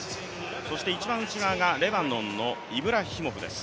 そして一番内側がレバノンのイブラヒモフです。